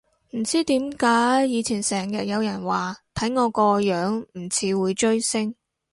唔知點解以前成日有人話睇我個樣唔似會追星